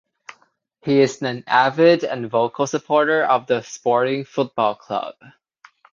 He is an avid and vocal supporter of the Sporting Football Club.